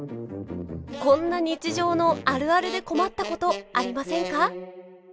こんな日常のあるあるで困ったことありませんか？